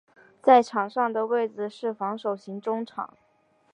在场上的位置是防守型中场。